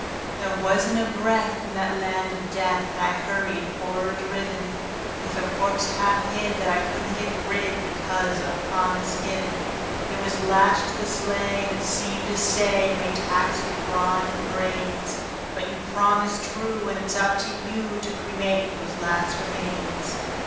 There wasn't a breath in that land of death, and I hurried, horror driven, With a corpse half hid that I couldn't get rid, because of a promise given; It was lashed to the sleigh, and it seemed to say: "You may tax your brawn and brains, But you promised true, and it's up to you to cremate those last remains."